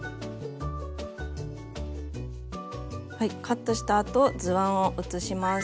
カットしたあと図案を写します。